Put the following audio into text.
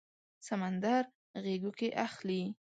سمندر غیږو کې اخلي